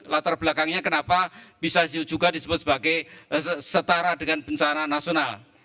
latar belakangnya kenapa bisa juga disebut sebagai setara dengan bencana nasional